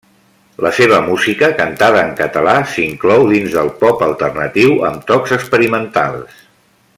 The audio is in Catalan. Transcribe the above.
La seva música, cantada en català, s'inclou dins del pop alternatiu amb tocs experimentals.